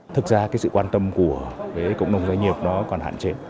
thực ra cái sự quan tâm của cộng đồng doanh nghiệp nó còn hạn chế